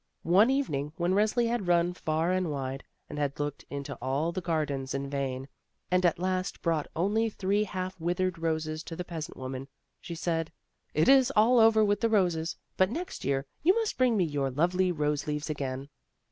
One evening, when Resli had run far and wide, and had looked into aU the gardens in vain. A LITTLE HELPER 31 and at last brought only three half withered roses to the peasant woman, she said: "It is all over with the roses, but next year you must bring me your lovely rose leaves again."